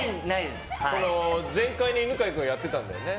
前回、犬飼君がやってたんだよね。